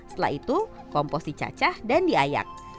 setelah itu kompos dicacah dan diayak